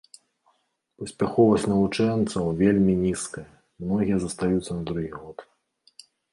Паспяховасць навучэнцаў вельмі нізкая, многія застаюцца на другі год.